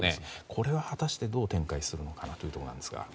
これは果たしてどう展開するのかということですが。